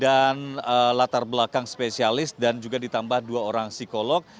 dan latar belakang spesialis dan juga ditambah dua orang psikolog